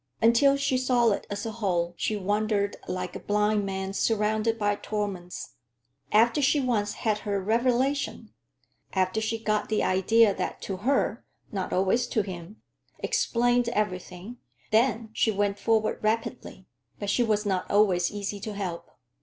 Until she saw it as a whole, she wandered like a blind man surrounded by torments. After she once had her "revelation," after she got the idea that to her—not always to him—explained everything, then she went forward rapidly. But she was not always easy to help.